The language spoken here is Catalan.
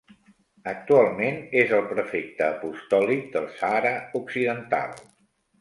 Actualment és el prefecte apostòlic del Sàhara Occidental.